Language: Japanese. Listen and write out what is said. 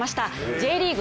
Ｊリーグ